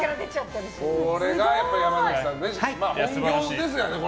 これが山咲さんの本業ですからね。